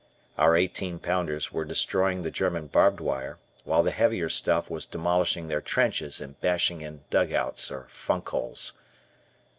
Our eighteen pounders were destroying the German barbed wire, while the heavier stuff was demolishing their trenches and bashing in dugouts or funk holes.